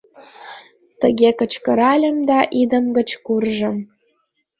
Тыге кычкыральым да идым гыч куржым.